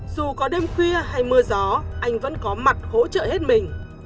dù có đêm khuya hay mưa gió anh vẫn có mặt hỗ trợ hết mình